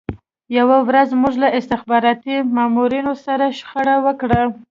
یوه ورځ موږ له استخباراتي مامورینو سره شخړه وکړه